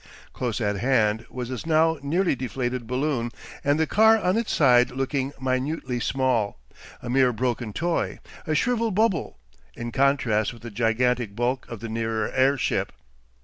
Close at hand was his now nearly deflated balloon and the car on its side looking minutely small, a mere broken toy, a shrivelled bubble, in contrast with the gigantic bulk of the nearer airship.